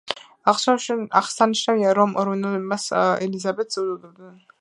აღსანიშნავია, რომ რუმინელები მას ელიზაბეტას უწოდებდნენ.